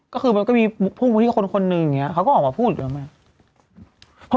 ก็คือมันก็มีมุมผู้บุตรสุดพวกคนหนึ่งเนี้ยเขาก็ออกมาพูดดีกว่าไร